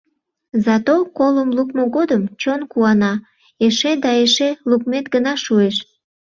Зато колым лукмо годым чон куана, эше да эше лукмет гына шуэш.